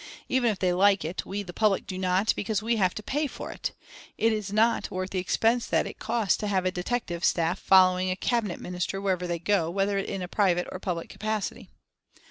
Even if they like it, we, the public do not, because we have to pay for it. It is not worth the expense that it costs to have a detective staff following Cabinet Ministers wherever they go, whether in a private or a public capacity.